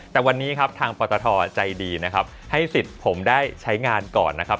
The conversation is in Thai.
แต่วันนี้ทางปรตาทอใจดีให้สิทธิ์ผมได้ใช้งานก่อนนะครับ